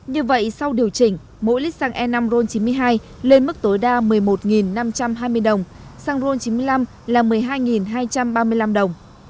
như vậy sau điều chỉnh mỗi lít xăng e năm ron chín mươi hai lên mức tối đa một mươi một năm trăm hai mươi đồng xăng ron chín mươi năm là một mươi hai hai trăm ba mươi năm đồng